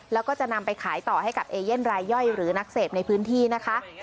แล้วก็จะนำไปขายต่อให้กับเอเย่นรายย่อยหรือนักเสพในพื้นที่นะคะ